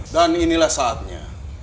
dan inilah saatnya